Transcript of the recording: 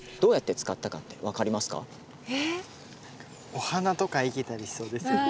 お花とか生けたりしそうですよね。